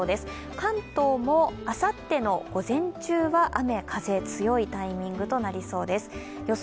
関東もあさっての午前中は雨風、強いタイミングとなりそうです予想